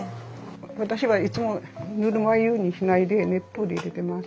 私はいつもぬるま湯にしないで熱湯で入れてます。